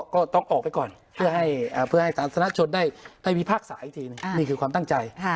ก็ต้องออกไปก่อนเพื่อให้สาธารณชนได้พิพากษาอีกทีหนึ่งนี่คือความตั้งใจ